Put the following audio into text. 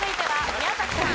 宮崎さん！